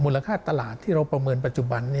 ลค่าตลาดที่เราประเมินปัจจุบัน